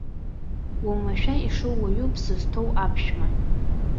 Уамашәа ишоу уаҩуп сызҭоу аԥшәма.